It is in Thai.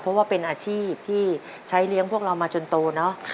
เพราะว่าเป็นอาชีพที่ใช้เลี้ยงพวกเรามาจนโตเนอะ